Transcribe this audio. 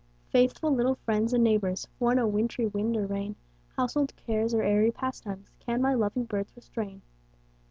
Faithful little friends and neighbors, For no wintry wind or rain, Household cares or airy pastimes, Can my loving birds restrain.